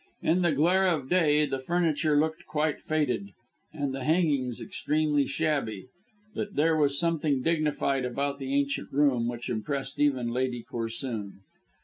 In the glare of day the furniture looked quite faded, and the hangings extremely shabby; but there was something dignified about the ancient room which impressed even Lady Corsoon.